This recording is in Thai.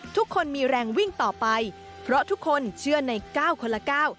ทุกคนมีแรงวิ่งต่อไปเพราะทุกคนเชื่อใน๙คนละ๙